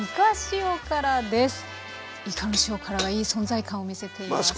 いかの塩辛がいい存在感を見せています。